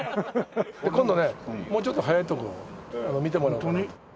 今度ねもうちょっと速いとこ見てもらうから。